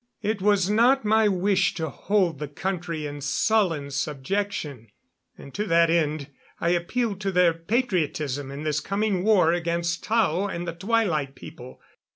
It was not my wish to hold the country in sullen subjection, and to that end I appealed to their patriotism in this coming war against Tao and the Twilight People.